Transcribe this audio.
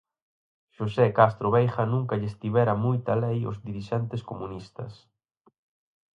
Xosé Castro Veiga nunca lles tivera moita lei aos dirixentes comunistas.